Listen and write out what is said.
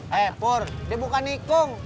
hei pur dia bukan nikung